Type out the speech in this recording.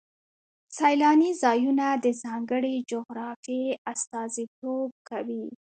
سیلاني ځایونه د ځانګړې جغرافیې استازیتوب کوي.